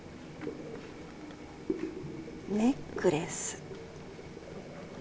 ネックレス。